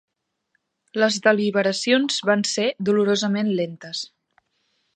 Les deliberacions van ser dolorosament lentes.